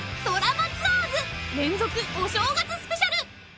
『ドラマツアーズ』連続お正月スペシャル］